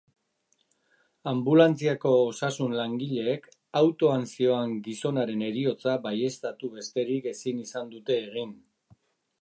Anbulantziako osasun langileek autoan zihoan gizonaren heriotza baieztatu besterik ezin izan dute egin.